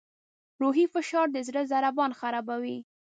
روحي فشار د زړه ضربان خرابوي.